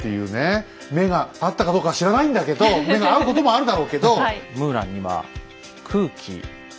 目が合ったかどうかは知らないんだけど目が合うこともあるだろうけど。